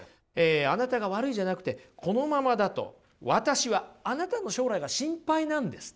あなたが悪いじゃなくてこのままだと私はあなたの将来が心配なんです。